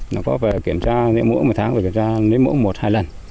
nó có phải kiểm tra mỗi một tháng kiểm tra mỗi một hai lần